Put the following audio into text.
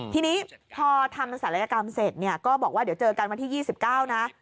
ทีนี้พอทำศัลยกรรมเสร็จเนี่ยก็บอกว่าเดี๋ยวเจอกันวันที่๒๙นะ